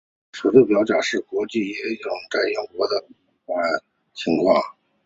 此列表展示国际音标应用在英语的一般情况。